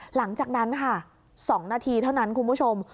หลังจากนั้นค่ะ๒นาทีเท่านั้นคุณผู้ชม